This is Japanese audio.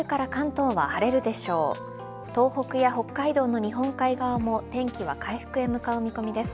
東北や北海道の日本海側も天気は回復へ向かう見込みです。